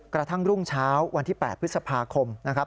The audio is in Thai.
กระทั่งรุ่งเช้าวันที่๘พฤษภาคมนะครับ